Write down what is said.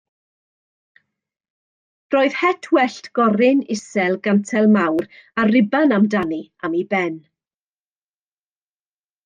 Roedd het wellt goryn isel gantel mawr a ruban am dani am ei ben.